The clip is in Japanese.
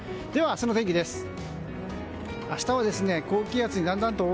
では明日の天気です。